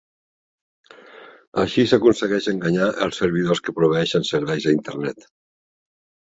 Així s'aconsegueix enganyar els servidors que proveeixen serveis a Internet.